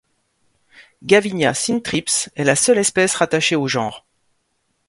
Gavinia syntrips est la seule espèce rattachée au genre.